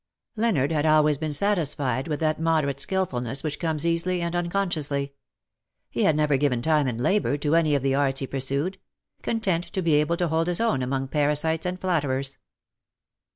Leonard had always been satisfied with that moderate skilfulness which comes easily and unconsciously. He had never given time and labour to any of the arts he pur sued — content to be able to hold his own among parasites and flatterers.